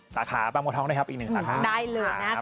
สาขาบ้างมาท้องด้วยครับอีกหนึ่งค่ะได้เลยนะครับ